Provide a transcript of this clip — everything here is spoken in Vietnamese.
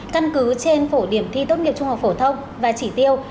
căn cứ trên phổ điểm thi tốt nghiệp trung học phổ thông và chỉ tiêu